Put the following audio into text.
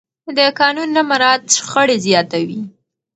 د قانون نه مراعت شخړې زیاتوي